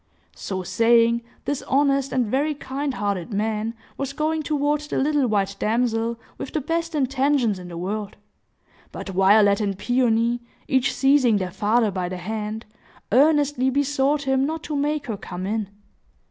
So saying, this honest and very kind hearted man was going toward the little white damsel, with the best intentions in the world. But Violet and Peony, each seizing their father by the hand, earnestly besought him not to make her come in.